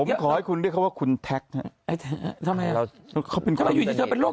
ผมขอให้คุณเรียกเขาว่าคุณแทค